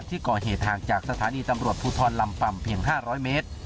ที่ก่อเหตุห่างจากสถานีตำรวจภูทรลำป่ำเพียง๕๐๐เมตร